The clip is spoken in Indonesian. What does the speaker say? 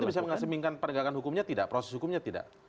tapi itu bisa mengasimilkan pernegakan hukumnya tidak proses hukumnya tidak